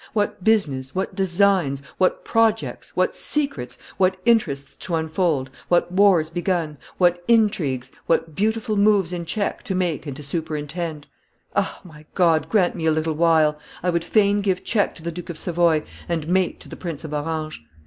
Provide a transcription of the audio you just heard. What business, what designs, what projects, what secrets, what interests to unfold, what wars begun, what intrigues, what beautiful moves in check to make and to superintend! Ah! my God, grant me a little while; I would fain give check to the Duke of Savoy and mate to the Prince of Orange!